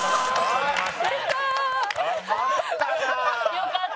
よかった。